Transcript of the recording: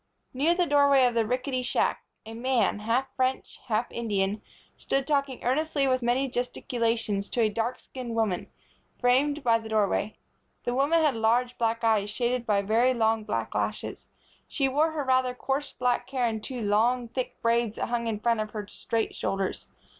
Near the doorway of the rickety shack a man, half French, half Indian, stood talking earnestly and with many gesticulations to a dark skinned woman, framed by the doorway. The woman had large black eyes, shaded by very long black lashes. She wore her rather coarse black hair in two long, thick braids that hung in front of her straight shoulders.